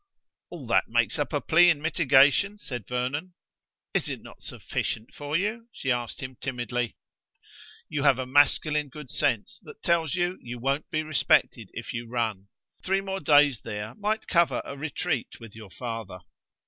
"All that makes up a plea in mitigation," said Vernon. "Is it not sufficient for you?" she asked him timidly. "You have a masculine good sense that tells you you won't be respected if you run. Three more days there might cover a retreat with your father."